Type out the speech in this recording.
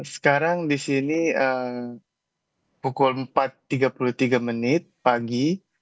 sekarang di sini pukul empat tiga puluh tiga menit pagi